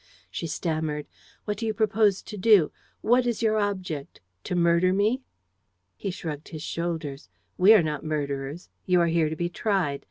She stammered: "What do you propose to do? What is your object? To murder me?" He shrugged his shoulders: "We are not murderers. You are here to be tried.